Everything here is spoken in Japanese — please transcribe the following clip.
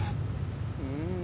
うん。